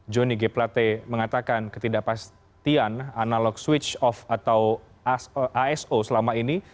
joni g plate mengatakan ketidakpastian analog switch off atau aso selama ini